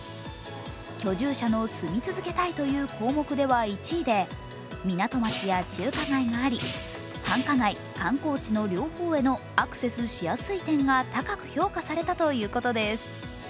居住者の住み続けたいという項目では１位で港町や中華街があり、繁華街、観光地の両方へのアクセスしやすい点が高く評価されたということです。